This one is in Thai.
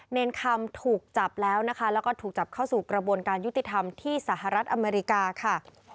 เนรคำถูกจับแล้วนะคะแล้วก็ถูกจับเข้าสู่กระบวนการยุติธรรมที่สหรัฐอเมริกาค่ะ